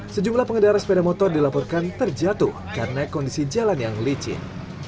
sejumlah pengendara sepeda motor dilaporkan terjatuh karena kondisi jalan yang licin